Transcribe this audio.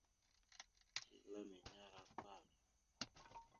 Zigla mene ara kwal.